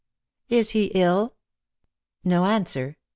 "Is he ill?" No answer.